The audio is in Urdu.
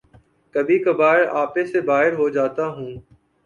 کبھی کبھار آپے سے باہر ہو جاتا ہوں